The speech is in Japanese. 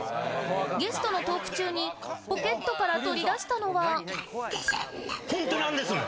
ゲストのトーク中にポケットから取り出したのはほんとなんですよ。